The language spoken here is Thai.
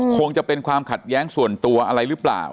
คงจะเป็นความขัดแย้งส่วนตัวอะไรหรือเปล่า